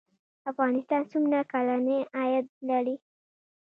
افغانستان څومره کلنی عاید لري؟